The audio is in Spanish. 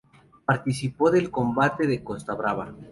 Participó del Combate de Costa Brava.